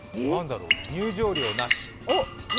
入場料なし？